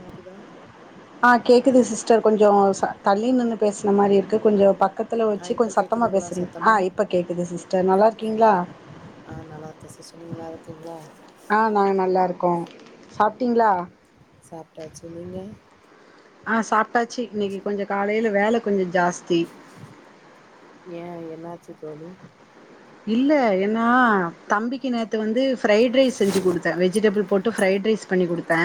வா க்குதா ஆ கேக்குது சிஸ்டர் கொஞ்ச தள்ளி நின்னு பேசின மாரி இருக்கு கொஞ்ச பக்கத் த்துல ஆ வச்சு இப்ப கொஞ்ச சத்தமா கேக்குதுங்களா பேசுங்க ஆ சத்தமா இப்ப கேக்குது சிஸ்டர் நல்லா இருக்கீங்களா ஆ நல்லாயிருக்கே சிஸ்டர் நீங்க நல்லாருக்கீங்களா ஆ நாங்க நல்லாருக்கோ சாப்ட்டீங்களா சாப்ட்டாச்சு நீங்க ஆ சாப்ட்டாச்சு இன்னைக்கு கொஞ்ச காலையில வேல கொஞ்ச ஜாஸ்தி ஏ என்னாச்சு தோழி இல்ல ஏன்னா தம்பிக்கு நேத்து வந்து ஃப்ரைட் ரைஸ் செஞ்சு குடுத்தே வெஜிடபுள் போட்டு ஃப்ரைட் ரைஸ் பண்ணி குடுத்தே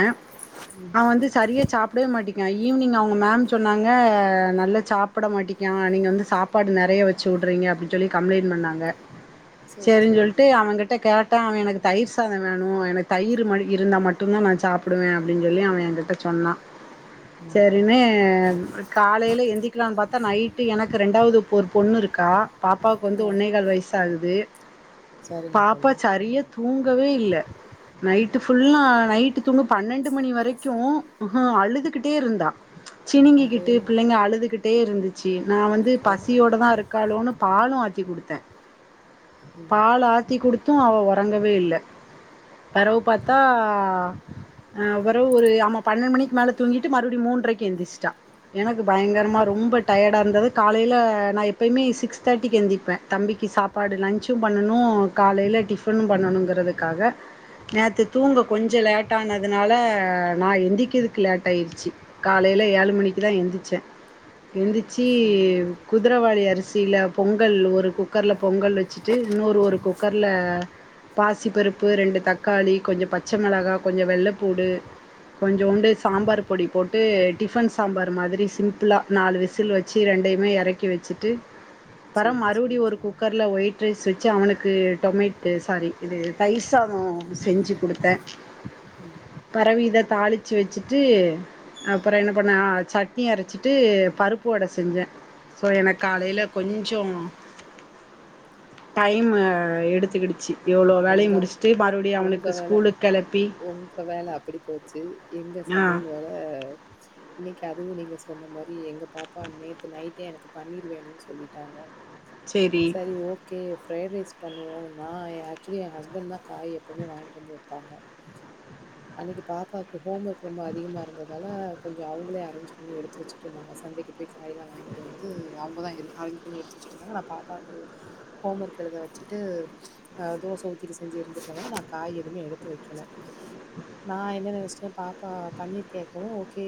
அவ வந்து சரியா சாப்டவே மாட்டிக்கா ஈவினிங் அவங்க மேம் சொன்னாங்க நல்லா சாப்பட மாட்டிக்கா நீங்க வந்து சாப் ப்பாடு நெறைய வச்சு விடுறீங்க அப்படின்னு சொல்லி கம்ப்ளைண்ட் பண்ணாங்க சரி சரின்னு சரி சொல்லிட்டு அவங்கிட்ட ஓகேங்க கேட் டா அவ எனக்கு தயிர் சாத வேணு எனக்கு தயிர் ம இருந்தா மட்டுந்தா நா சாப்புடுவே அப்படின்னு சொல்லி அவ என்கிட்ட சொன்ன ம் சரின்னு காலையில எந்திக்கலாம்னு பாத்தா நைட்டு எனக்கு ரெண்டாவது ஒரு பொண்ணு இருக்கா பாப்பாவுக்கு வந்து ம் ஒன்னே கால் வய சாகுது சரிங்க பாப்பா தோழி ம் சரியா தூங்கவே இல்ல நைட்டு ஃபுல்லா நைட்டு தூங்க பன்னெண்டு மணி வரைக்கு அழுதுக்கிட்டே இருந்தா அது சிணிங்கிக்கிட்டு பிள்ளைங்க அழுதுகிட்டே இருந்துச்சு நா வந்து ஒ பசியோட தா இருக் காலோன்னு பாலு ஆத்தி குடுத்தே ம் பால் ஆத்தி குடுத்து அவ ஒறங்கவே இல்ல பெறவு பாத்தா அவ்றவு ஒரு ஆமா பன்னெண்டு மணிக்கு மேல தூங்கிட்டு மறுபடி மூன்றைக்கு எந்திச்சுட்டா எனக்கு பயங்கரமா ரொம்ப டயடா இருந்தது காலையில நா எப்பயுமே சிக்ஸ் தேர்டிக்கு எந்திருப்பே தம்பிக்கு சாப் ப்பாடு லன்ச்சும் பண்ணணு காலையில டிஃபனு பண்ணணுங்கிறதுக்காக நேற்று தூங்க கொஞ்ச லேட் ஆனதுனால நா எந்திக்கதுக்கு லேட் ஆயிருச்சி காலைல ஏழு மணிக்குதா எந்திச்சே எந்திச்சு சரிங்க தோழி சரிங்க குதிரைவாலி அரிசியில பொங்கல் ஒரு குக்கர்ல பொங்கல் வச்சுட்டு இன்னொரு ஒரு குக்கர்ல பாசிப்பருப்பு ரெண்டு தக்காளி கொஞ்ச பச்ச மிளகா கொஞ்ச வெள்ளப்பூடு கொஞ்சுண்டு சாம்பார் பொடி போட்டு டிபன் சாம்பார் மாரி சிம்பிளா நாலு விசில் வச் சு ரெண்டயுமே எறக்கி வச்சுட்டு அப்பற சேரி மறுபடி சேரி ஒரு சரிங்க குக்கர்ல தோழி ஒயிட் ரைஸ் வச்சு அவனுக்கு டொமேட்டு சாரி இது தயிர் சாத செஞ்சு குடுத்தே ம் பெறவு இத தாளிச்சு வச்சுட்டு அப்பற என்ன பண்ணுவே சட்னி அரச்சிட்டு பருப்பு வடை செஞ்சே சோ எனக்கு காலைல கொஞ்ச டைம்மு எடுத்துக்கிடுச்சு எவ்வளோ வேலைய ரம்ஜா முடிச்சுட்டு மறுபடியு உங்க அவனுக்கு வேல ஸ்கூலுக்கு கிளப்பி உங்க வேல அப்டி போச்சு இந்த ஆ சமையல் வேற இன்னைக்கு அது நீங்க சொன்ன மாரி எங்க பாப்பா நேத்து நைட்டே எனக்கு பண்ணீர் வேணுனு சொல்லிட்டாங்க சரி ஓகே ஃப்ரைட் ரைஸ் பண்ணு வேணுமா எனக் ஆக்சுவல என் ஹஸ்பண்ட் தான் காய் எப்வுமே வாங்கிட்டு வந்து வைப்பாங்க அன்னைக்கு பாப்பாவுக்கு ஹோம் ஒர்க் ரொம்ப அதிகமா இருந்ததால கொஞ்சம் அவங்களே அரேஞ்ச் பண்ணி எடு த்து வச்சுட்டு இருந்தாங்க சந்தைக்கு போயி காய்யெல்லாம் வாங்கி ட்டு வந்து அவங்கதான் அரேஞ் பண்ணி எடுத்து வச்சுட்டு இருந்தாங்க நான் பாப்பாக்கு ஹோம் ஒர்க் எழுத வச்சுட்டு ஆ தோச ஊத்திட்டு செஞ்சு எடுத்துட்டுபோங்க நான் காய் எதுமே எடுத்து வைக்கல நான் என்ன நெனச்சிட்டேன் பாப்பா பன்னிரு கேக்கவும் ஓகே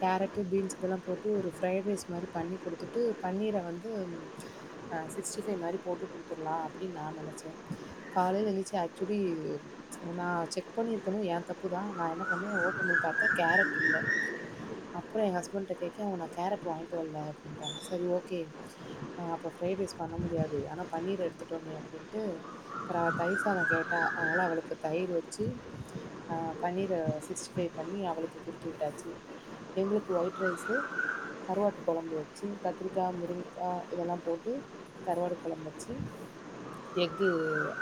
கேரட்டு பீன்ஸ்ஸு இதெல்லாம் போட்டு ஒரு ஃப்ரைட் ரைஸ் மாரி பண்ணி கொடுத்துட்டு பன்னீர வந்து ஆ சிக்ஸ்டி ஃபைவ் மாரி போட்டு கொடுத்துடலாம் அப்டினு நான் நெனச்சேன் காலைல எழுந்துச்சு ஆக்சுவலி நான் செக் பண்ணிருக்கணும் ஏன் தப்பு தான் நான் என்ன பண்ணேன் ஓபன் பண்ணி பாத்தேன் கேரட் இல்ல அப்றம் என் ஹஸ்பண்ட் கிட்ட கேக்க அவர் நான் கேரட் வாங்கிட்டு வரல அப்டினுட்டாங்க செரி ஓகே ஆ அப்ப ஃப்ரைட் ரைஸ் பண்ண முடியாது ஆனா பன்னீர் எடுத்துட்டோமே அப்டின்ட்டு அப்பறம் அவ தயிர் சாதம் கேட்டா அதனால அவளுக்கு தயிர் வச்சு ஆ பன்னீரு சிக்ஸ்டி ஃபைவ் பண்ணி அவளுக்கு குடுத்து விட்டாச்சு எங்களுக்கு ஒயிட் ரைஸு கருவாட்டு கொழம்பு வச்சு கத்திரிக்காய் முருங்கக்காய் இதெல்லாம் போட்டு கருவாட்டு கொழம்பு வச்சு எஃக்கு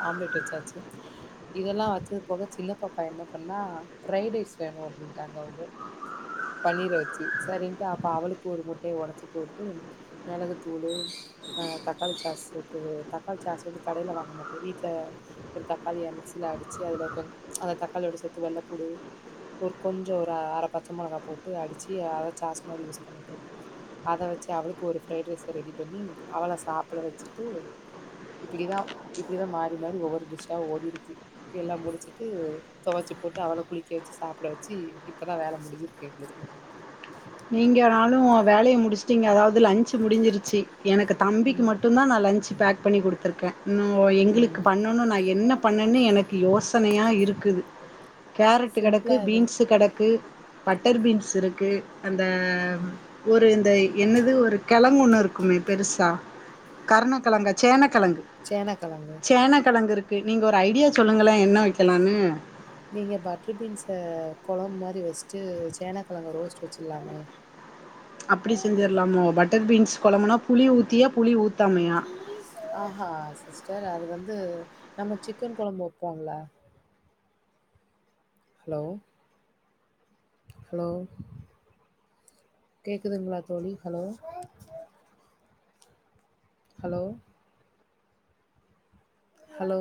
ஆம்லெட் வச்சாச்சு இதெல்லாம் வச்சது போக சின்ன பாப்பா என்ன அப்றமா ஃப்ரைடு ரைஸ் வேணும் அப்டின்ட்டாங்க அவங்க பன்னீர வச்சு செரின்ட்டு அப்போ அவளுக்கு ஒரு முட்டய உடச்சு போட்டு மெளகு தூளு தக்காளி சாஸுக்கு தக்காளி சாசு வந்து கடயில வாங்க மாட்டேன் வீட்ல ஒரு தக்காளிய மிக்சில அடிச்சு அதுல கொஞ்ச அந்த தக்காளியோட சேத்து வெள்ளப்பூண்டு ஒரு கொஞ்சம் ஒரு அர பச்ச மெளகா போட்டு அடுச்சு அத சாஸ்ஸு மாரி யூஸ் பண்ணிப்பேன் அத வச்சு அவளுக்கு ஒரு ஃப்ரைட் ரைஸ் ரெடி பண்ணி அவள சாப்பிட வச்சுட்டு இப்டிதான் இப்டிதான் மாறி மாறி ஒவ்வொரு டிஷ்ஷா ஓடிருக்கு எல்லாம் முடிச்சிட்டு துவச்சு போட்டு அவளா குளிக்க வச்சு சாப்ட வச்சு இப்போ தான் வேல முடிஞ்சிருக்கு எங்களுக்கு நீங்கனாலும் வேலய முடிச்சிட்டிங்க அதாவது லன்ஞ்சு முடிஞ்சிருச்சி எனக்கு தம்பிக்கு ம் மட்டும் தான் நான் லன்ஞ் பேக் பண்ணி குடுத்துருக்கேன் ம் ஓ எங்களுக்கு ம் பண்ணணும் நான் என்ன பண்ணனு எனக்கு யோசனயா இருக்குது கேரட்டு கெடக்கு சிம்பிளா எது பீன்ஸு கெடக்கு பட்டர் பீன்ஸ் இருக்கு அந்த ம் ஒரு இந்த என்னது ஒரு கெழங்கு ஒன்னு இருக்குமே பெருசா கருணக்கெழங்கு சேனக்கெழங்கு சேனக்கெழங்கு சேனக்கெழங்குருக்கு நீங்க ஒரு ஐடியா சொல்லுங்களேன் என்ன வைக்கலான்னு நீங்க பட்ரு பீன்ஸ கொழம்பு மாரி வச்ட்டு சேனக்கெழங்க ரோஸ்ட் வச்சுர்லாமே அப்டி செஞ்சுர்லாமோ பட்டர் பீன்ஸ் கொழம்புனா புளி ஊத்தியா புளி ஊத்தாமையா ஆஹா சிஸ்டர் அது வந்து நம்ம சிக்கன் கொழம்பு வைப்போம்ல ஹலோ ஹலோ கேக்குதுங்களா தோழி ஹலோ ஹலோ ஹலோ